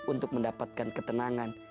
untuk mendapatkan ketenangan